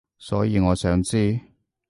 所以我想知